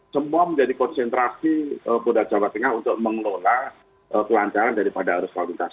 semua menjadi konsentrasi polda jawa tengah untuk mengelola kelanjaran daripada arus kualitas